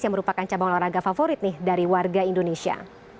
yang merupakan cabang olahraga favorit nih dari warga indonesia